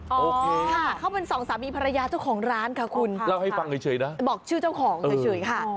โอเคค่ะเขาเป็นสองสามีภรรยาเจ้าของร้านค่ะคุณเล่าให้ฟังเฉยนะบอกชื่อเจ้าของเฉยค่ะ